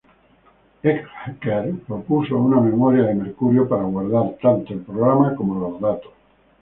Eckert propuso una memoria de mercurio para guardar tanto el programa como los datos.